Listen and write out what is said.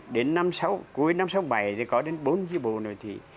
đến năm cuối năm một nghìn chín trăm sáu mươi bảy thì có đến bốn chiếc bộ nổi thị